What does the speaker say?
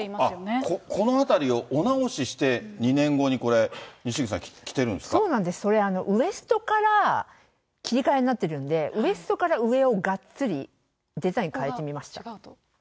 あっ、このあたりをお直しして２年後にこれ、にしぐちさん、そうなんです、それ、ウエストから切り替えになってるんで、ウエストから上をがっつりデザインかえてみました。